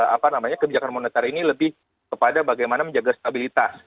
apa namanya kebijakan moneter ini lebih kepada bagaimana menjaga stabilitas